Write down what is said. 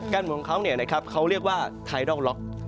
การหมุนของเขาเนี่ยนะครับเขาเรียกว่าไทดอกล็อก